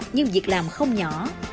nhưng việc làm không nhỏ